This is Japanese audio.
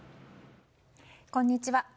こんにちは。